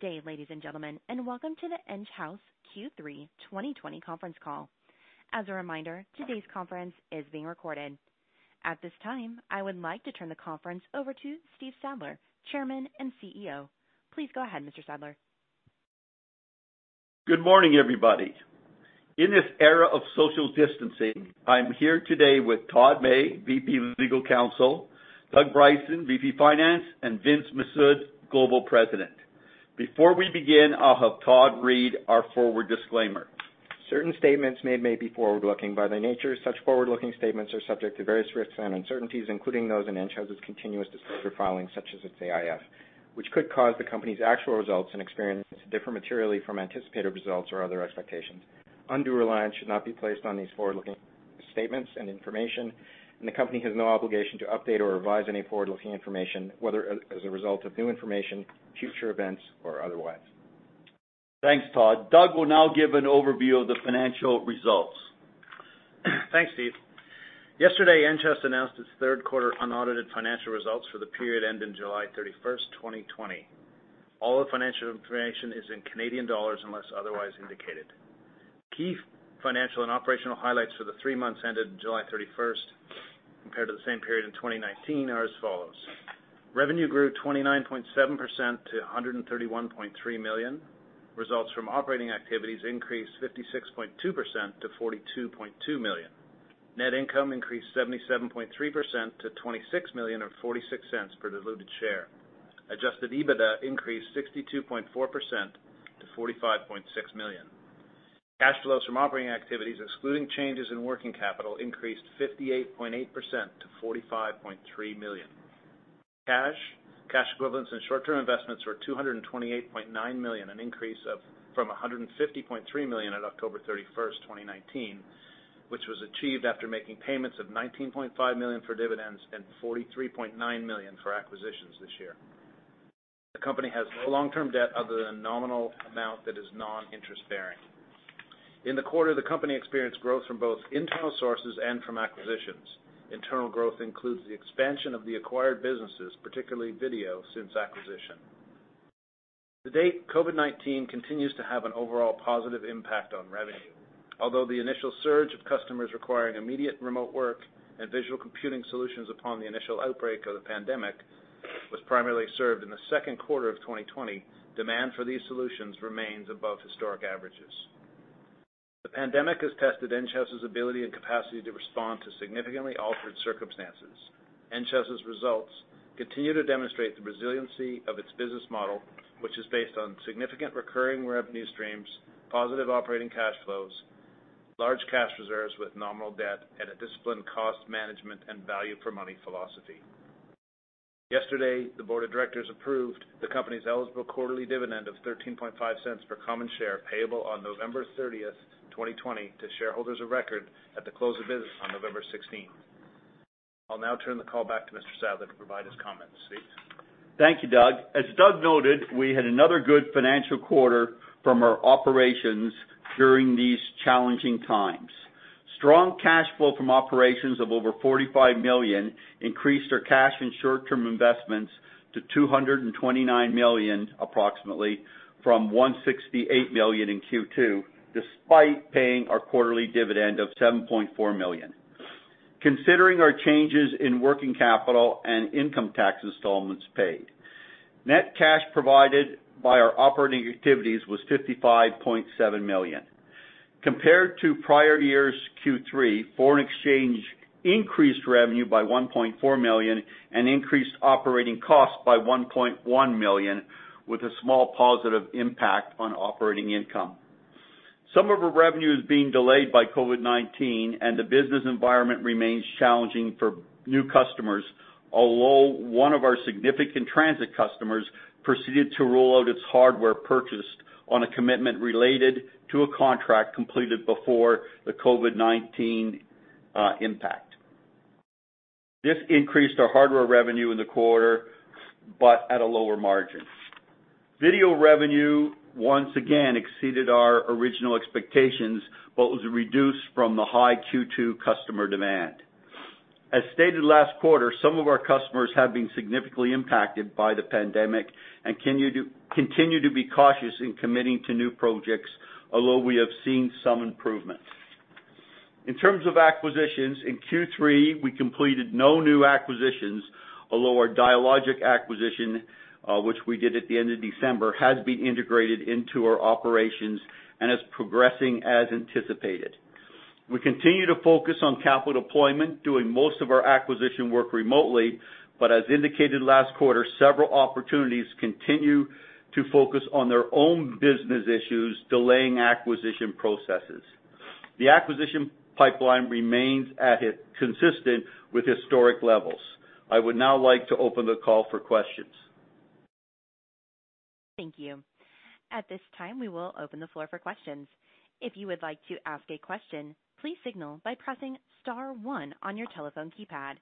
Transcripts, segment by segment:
Good day, ladies and gentlemen, welcome to the Enghouse Q3 2020 conference call. As a reminder, today's conference is being recorded. At this time, I would like to turn the conference over to Steve Sadler, Chairman and CEO. Please go ahead, Mr. Sadler. Good morning, everybody. In this era of social distancing, I'm here today with Todd May, VP of Legal Counsel, Doug Bryson, VP Finance, and Vince Mifsud, Global President. Before we begin, I'll have Todd read our forward disclaimer. Certain statements made may be forward-looking. By their nature, such forward-looking statements are subject to various risks and uncertainties, including those in Enghouse's continuous disclosure filings, such as its AIF, which could cause the company's actual results and experiences to differ materially from anticipated results or other expectations. Undue reliance should not be placed on these forward-looking statements and information. The company has no obligation to update or revise any forward-looking information, whether as a result of new information, future events, or otherwise. Thanks, Todd. Doug will now give an overview of the financial results. Thanks, Steve. Yesterday, Enghouse announced its third quarter unaudited financial results for the period ending July 31st, 2020. All the financial information is in Canadian dollars unless otherwise indicated. Key financial and operational highlights for the three months ended July 31st compared to the same period in 2019 are as follows. Revenue grew 29.7% to 131.3 million. Results from operating activities increased 56.2% to 42.2 million. Net income increased 77.3% to 26 million, or 0.46 per diluted share. Adjusted EBITDA increased 62.4% to 45.6 million. Cash flows from operating activities, excluding changes in working capital, increased 58.8% to 45.3 million. Cash, cash equivalents, and short-term investments were 228.9 million, an increase from 150.3 million at October 31st, 2019, which was achieved after making payments of 19.5 million for dividends and 43.9 million for acquisitions this year. The company has no long-term debt other than a nominal amount that is non-interest-bearing. In the quarter, the company experienced growth from both internal sources and from acquisitions. Internal growth includes the expansion of the acquired businesses, particularly video, since acquisition. To date, COVID-19 continues to have an overall positive impact on revenue. Although the initial surge of customers requiring immediate remote work and visual computing solutions upon the initial outbreak of the pandemic was primarily served in the second quarter of 2020, demand for these solutions remains above historic averages. The pandemic has tested Enghouse's ability and capacity to respond to significantly altered circumstances. Enghouse's results continue to demonstrate the resiliency of its business model, which is based on significant recurring revenue streams, positive operating cash flows, large cash reserves with nominal debt, and a disciplined cost management and value-for-money philosophy. Yesterday, the board of directors approved the company's eligible quarterly dividend of 0.135 per common share, payable on November 30th, 2020, to shareholders of record at the close of business on November 16th. I'll now turn the call back to Mr. Sadler to provide his comments. Steve? Thank you, Doug. As Doug noted, we had another good financial quarter from our operations during these challenging times. Strong cash flow from operations of over 45 million increased our cash and short-term investments to 229 million approximately from 168 million in Q2, despite paying our quarterly dividend of 7.4 million. Considering our changes in working capital and income tax installments paid, net cash provided by our operating activities was 55.7 million. Compared to prior year's Q3, foreign exchange increased revenue by 1.4 million and increased operating costs by 1.1 million, with a small positive impact on operating income. Some of our revenue is being delayed by COVID-19, and the business environment remains challenging for new customers, although one of our significant transit customers proceeded to roll out its hardware purchase on a commitment related to a contract completed before the COVID-19 impact. This increased our hardware revenue in the quarter, but at a lower margin. Video revenue once again exceeded our original expectations. What was reduced from the high Q2 customer demand. As stated last quarter, some of our customers have been significantly impacted by the pandemic and continue to be cautious in committing to new projects, although we have seen some improvements. In terms of acquisitions, in Q3, we completed no new acquisitions, although our Dialogic acquisition, which we did at the end of December, has been integrated into our operations and is progressing as anticipated. We continue to focus on capital deployment doing most of our acquisition work remotely. But as indicated last quarter, several opportunities continue to focus on their own business issues, delaying acquisition processes. The acquisition pipeline remains consistent with historic levels. I would now like to open the call for questions. Thank you. At this time, we will open the floor for questions. If you would like to ask a question, please signal by pressing star one on your telephone keypad.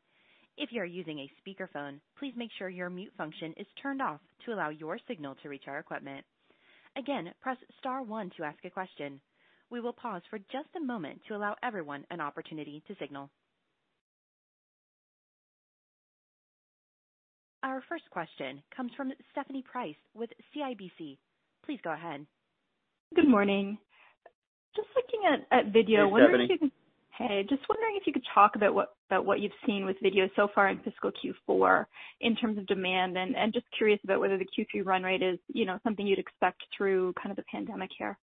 If you are using a speakerphone, please make sure your mute function is turned off to allow your signal to reach our equipment. Again, press star one to ask a question. We will pause for just a moment to allow everyone an opportunity to signal. Our first question comes from Stephanie Price with CIBC. Please go ahead. Good morning. Just looking at. Hey, Stephanie. Hey, just wondering if you could talk about what you've seen with video so far in fiscal Q4 in terms of demand, and just curious about whether the Q3 run rate is something you'd expect through the pandemic here?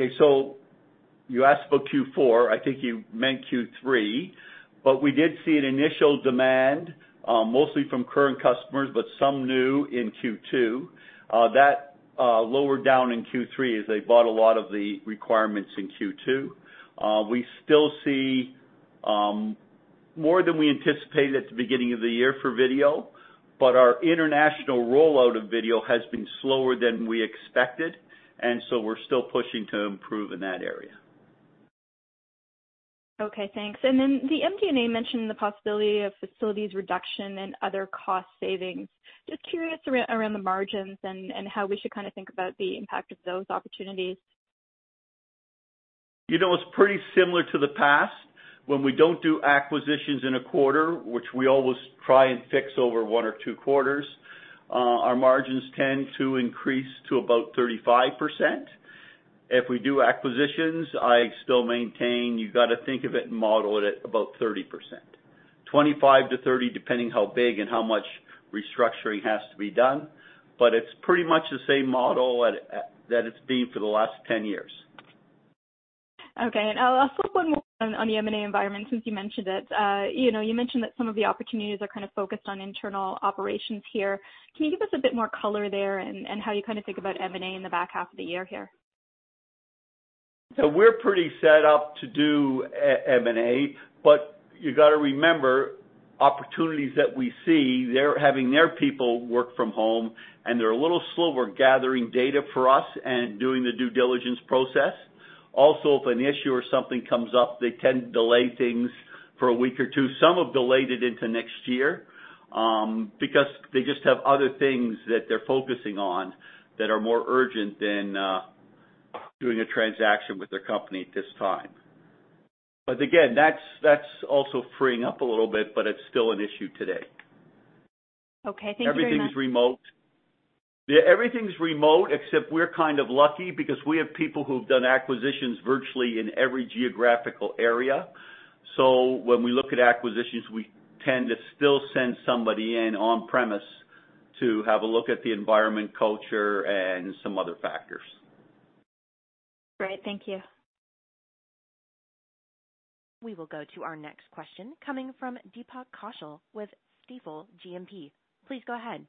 Okay. You asked about Q4, I think you meant Q3. We did see an initial demand, mostly from current customers, but some new, in Q2. That lowered down in Q3 as they bought a lot of the requirements in Q2. We still see more than we anticipated at the beginning of the year for video, but our international rollout of video has been slower than we expected, and so we're still pushing to improve in that area. Okay, thanks. The M&A mentioned the possibility of facilities reduction and other cost savings. Just curious around the margins and how we should think about the impact of those opportunities. It's pretty similar to the past. When we don't do acquisitions in a quarter, which we always try and fix over one or two quarters, our margins tend to increase to about 35%. If we do acquisitions, I still maintain you've got to think of it and model it at about 30%. 25%-30%, depending how big and how much restructuring has to be done. But it's pretty much the same model that it's been for the last 10 years. Okay. I'll flip one more on the M&A environment since you mentioned it. You mentioned that some of the opportunities are kind of focused on internal operations here. Can you give us a bit more color there and how you think about M&A in the back half of the year here? We're pretty set up to do M&A, you got to remember, opportunities that we see, they're having their people work from home, and they're a little slower gathering data for us and doing the due diligence process. If an issue or something comes up, they tend to delay things for a week or two. Some have delayed it into next year, because they just have other things that they're focusing on that are more urgent than doing a transaction with their company at this time. Again, that's also freeing up a little bit, but it's still an issue today. Okay. Thank you very much. Everything's remote. Yeah, everything's remote, except we're kind of lucky because we have people who've done acquisitions virtually in every geographical area. When we look at acquisitions, we tend to still send somebody in on premise to have a look at the environment, culture, and some other factors. Great. Thank you. We will go to our next question, coming from Deepak Kaushal with Stifel GMP. Please go ahead.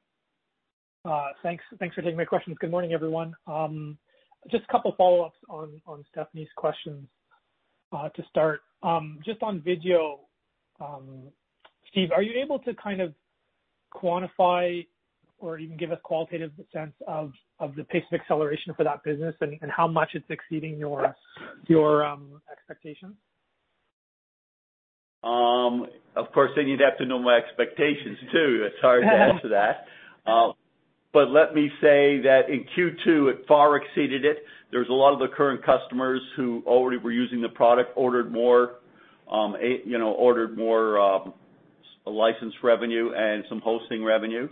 Thanks for taking my questions. Good morning, everyone. Just a couple follow-ups on Stephanie's questions to start. Just on video, Steve, are you able to quantify or even give a qualitative sense of the pace of acceleration for that business and how much it's exceeding your expectations? Of course, then you'd have to know my expectations, too. It's hard to answer that. Let me say that in Q2, it far exceeded it. There's a lot of the current customers who already were using the product, ordered more license revenue and some hosting revenue.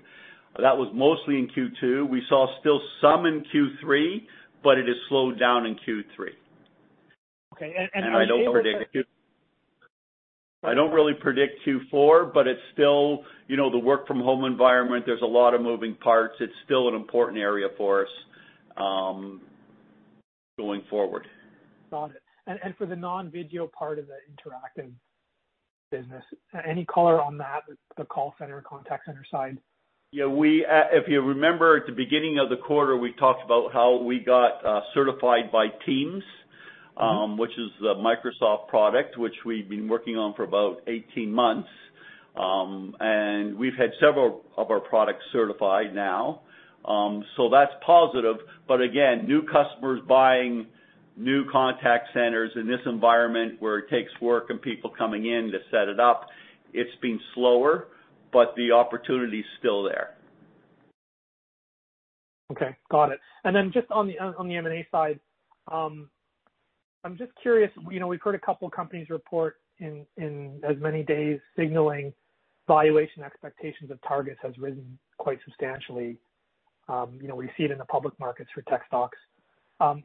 That was mostly in Q2. We saw still some in Q3, but it has slowed down in Q3. Okay. I don't really predict Q4, but it's still the work from home environment. There's a lot of moving parts. It's still an important area for us going forward. Got it. For the non-video part of the interactive business, any color on that, the call center, contact center side? If you remember at the beginning of the quarter, we talked about how we got certified by Teams, which is the Microsoft product, which we've been working on for about 18 months. We've had several of our products certified now. That's positive. Again, new customers buying new contact centers in this environment where it takes work and people coming in to set it up, it's been slower, but the opportunity's still there. Okay. Got it. Then just on the M&A side, I'm just curious, we've heard a couple companies report in as many days signaling valuation expectations of targets has risen quite substantially. We see it in the public markets for tech stocks.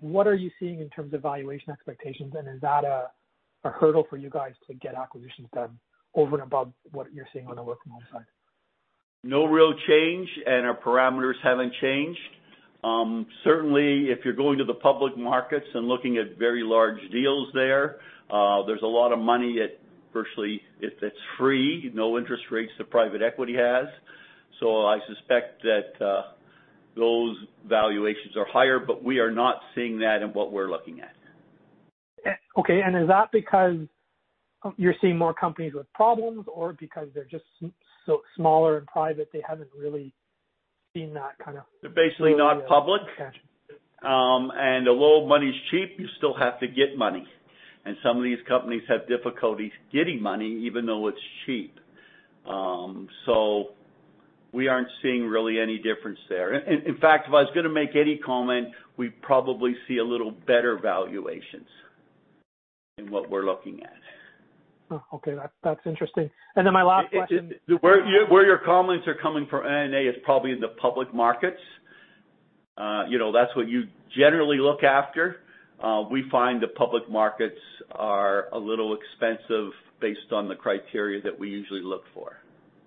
What are you seeing in terms of valuation expectations? Is that a hurdle for you guys to get acquisitions done over and above what you're seeing on the work from home side? No real change. Our parameters haven't changed. Certainly, if you're going to the public markets and looking at very large deals there's a lot of money virtually, it's free, no interest rates that private equity has. I suspect that those valuations are higher. We are not seeing that in what we're looking at. Okay. Is that because you're seeing more companies with problems or because they're just smaller and private, they haven't really seen that kind of. They're basically not public. Gotcha. Although money's cheap, you still have to get money. Some of these companies have difficulties getting money even though it's cheap. We aren't seeing really any difference there. In fact, if I was going to make any comment, we probably see a little better valuations in what we're looking at. Oh, okay. That's interesting. My last question. Where your comments are coming from, M&A is probably in the public markets. That's what you generally look after. We find the public markets are a little expensive based on the criteria that we usually look for.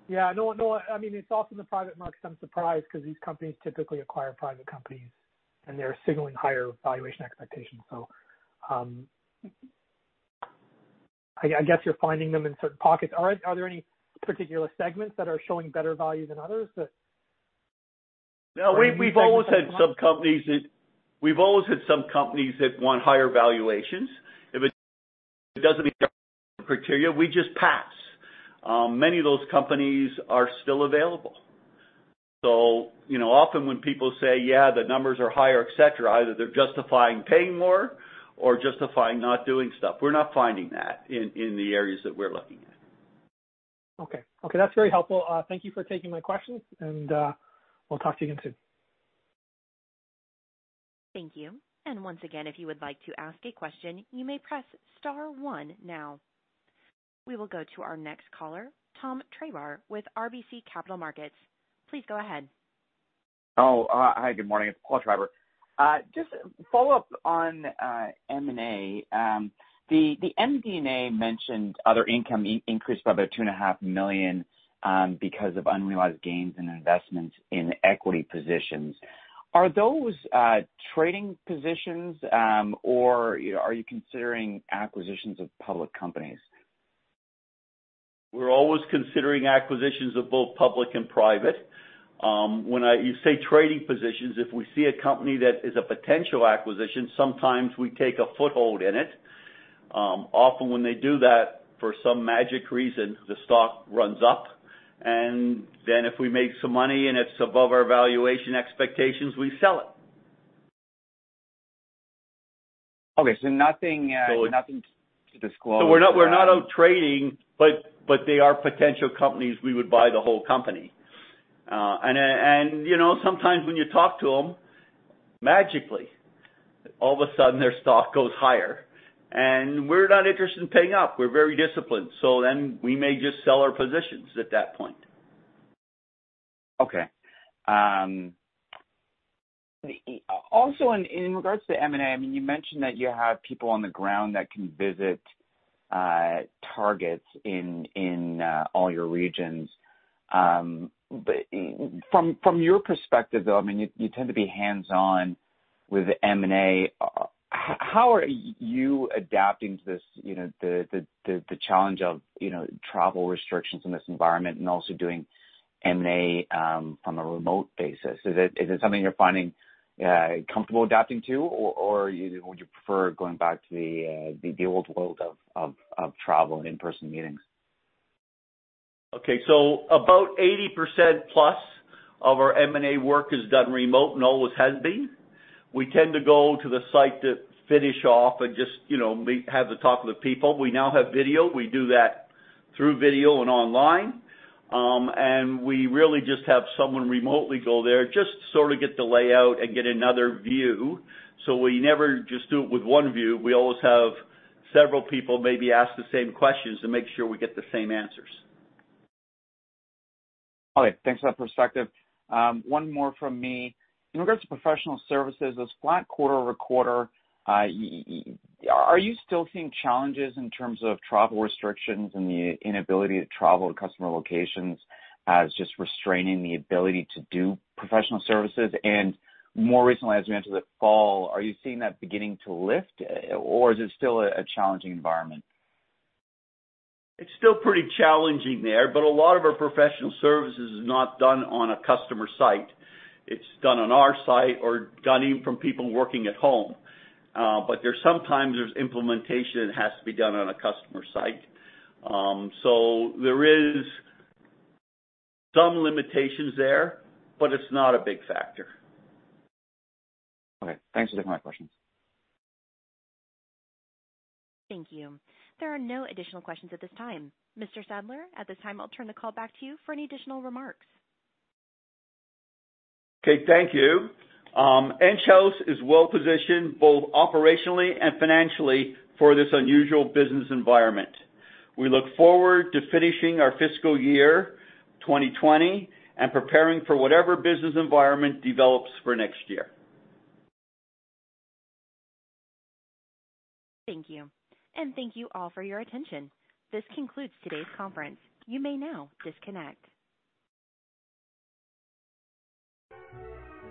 Yeah. No, it's also the private markets I'm surprised because these companies typically acquire private companies, and they're signaling higher valuation expectations. I guess you're finding them in certain pockets. Are there any particular segments that are showing better value than others that? No, we've always had some companies that want higher valuations. If it doesn't meet our criteria, we just pass. Many of those companies are still available. Often when people say, "Yeah, the numbers are higher," et cetera, either they're justifying paying more or justifying not doing stuff. We're not finding that in the areas that we're looking at. Okay. That's very helpful. Thank you for taking my questions, and I'll talk to you again soon. Thank you. Once again, if you would like to ask a question, you may press star one now. We will go to our next caller, Paul Treiber with RBC Capital Markets. Please go ahead. Hi, good morning. It's Paul Treiber. Just follow up on M&A. The MD&A mentioned other income increased by about two and a half million because of unrealized gains in investments in equity positions. Are those trading positions, or are you considering acquisitions of public companies? We're always considering acquisitions of both public and private. When you say trading positions, if we see a company that is a potential acquisition, sometimes we take a foothold in it. Often when they do that, for some magic reason, the stock runs up, and then if we make some money and it's above our valuation expectations, we sell it. Okay, nothing to disclose. We're not out trading, but they are potential companies we would buy the whole company. Sometimes when you talk to them, magically, all of a sudden their stock goes higher. We're not interested in paying up. We're very disciplined. We may just sell our positions at that point. Okay. In regards to M&A, you mentioned that you have people on the ground that can visit targets in all your regions. From your perspective, though, you tend to be hands-on with M&A. How are you adapting to the challenge of travel restrictions in this environment and also doing M&A on a remote basis? Is it something you're finding comfortable adapting to, or would you prefer going back to the old world of travel and in-person meetings? Okay, about 80%+ of our M&A work is done remote and always has been. We tend to go to the site to finish off and just have the talk with people. We now have video. We do that through video and online. We really just have someone remotely go there, just sort of get the layout and get another view. We never just do it with one view. We always have several people maybe ask the same questions to make sure we get the same answers. Okay, thanks for that perspective. One more from me. In regards to professional services, it was flat quarter-over-quarter. Are you still seeing challenges in terms of travel restrictions and the inability to travel to customer locations as just restraining the ability to do professional services? More recently, as we enter the fall, are you seeing that beginning to lift, or is it still a challenging environment? It's still pretty challenging there, but a lot of our professional services is not done on a customer site. It's done on our site or done even from people working at home. Sometimes there's implementation that has to be done on a customer site. There is some limitations there, but it's not a big factor. Okay. Thanks for taking my questions. Thank you. There are no additional questions at this time. Mr. Sadler, at this time, I'll turn the call back to you for any additional remarks. Okay. Thank you. Enghouse is well-positioned both operationally and financially for this unusual business environment. We look forward to finishing our fiscal year 2020 and preparing for whatever business environment develops for next year. Thank you. Thank you all for your attention. This concludes today's conference. You may now disconnect.